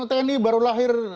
tni baru lahir